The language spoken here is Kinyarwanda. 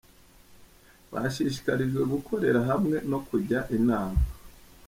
Bashishikarijwe gukorera hamwe no kujya inama.